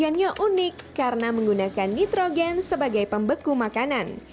yang unik karena menggunakan nitrogen sebagai pembeku makanan